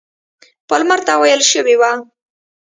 پالمر ته ویل شوي وه.